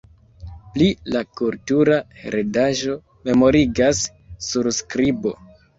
Pri la kultura heredaĵo memorigas surskribo.